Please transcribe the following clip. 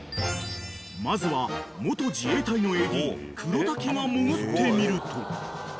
［まずは元自衛隊のＡＤ黒瀧が潜ってみると］